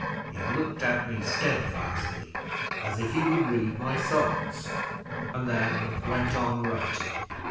He looked at me steadfastly, as if he would read my thoughts, and then went on writing.